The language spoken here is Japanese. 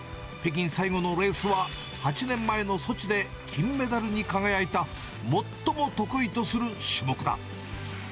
北京最後のレースは、８年前のソチで金メダルに輝いた最も得意とする種目だ。